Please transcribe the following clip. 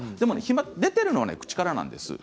出ているのは口からです。